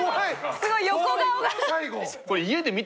すごい横顔が。